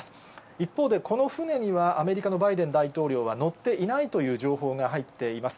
一方で、この船にはアメリカのバイデン大統領は乗っていないという情報が入っています。